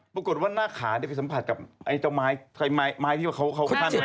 ปรากฏว่าหน้าขาได้ไปสัมผัสกับเผ้าไม้ที่คาดอยู่